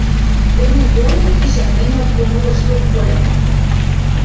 Тӹньӹн толмет гишӓн мӹнь обкомолышток кольым.